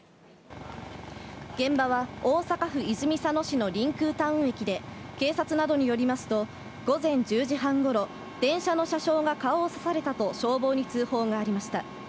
現場は大阪府泉佐野市のりんくうタウン駅で、警察などによりますと午前１０時半ごろ、電車の車掌が顔を刺されたと消防に通報がありました。